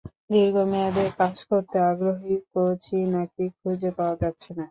দীর্ঘ মেয়াদে কাজ করতে আগ্রহী কোচই নাকি খুঁজে পাওয়া যাচ্ছে না।